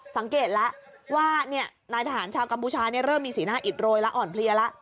สังเกตแล้วว่านายทหารชาวกัมพูชาเริ่มมีสีหน้าอิดโรยและอ่อนเพลียแล้ว